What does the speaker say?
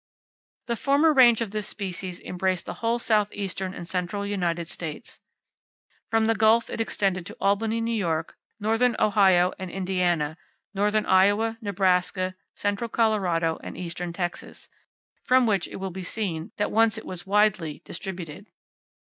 The former range of this species embraced the whole southeastern and central United States. From the Gulf it extended to Albany, N.Y., northern Ohio and Indiana, northern Iowa, Nebraska, central Colorado and eastern Texas, from which it will be seen that once it was widely distributed.